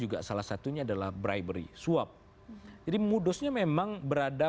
hasilnya belum keluar ya